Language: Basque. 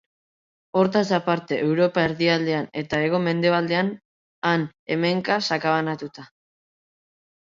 Hortaz aparte Europa erdialdean eta hego-mendebaldean han-hemenka sakabanatuta.